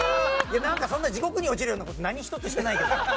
そんな地獄に落ちるようなこと何ひとつしてないけど。